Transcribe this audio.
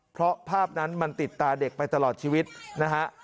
เพราะภาพนั้นมันติดตาเด็กไปตลอดชีวิตนะฮะ